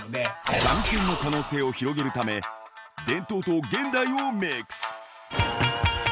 三味線の可能性を広げるため、伝統と現代をミックス。